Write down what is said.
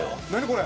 これ！」